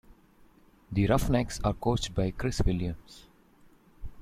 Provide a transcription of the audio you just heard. The Roughnecks are coached by Chris Williams.